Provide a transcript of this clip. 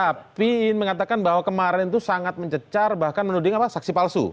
tapi ingin mengatakan bahwa kemarin itu sangat mencecar bahkan menuding saksi palsu